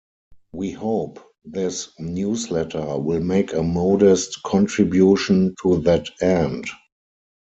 We hope this "Newsletter" will make a modest contribution to that end.